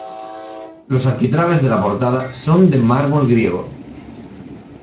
Los arquitrabes de la portada son de mármol griego.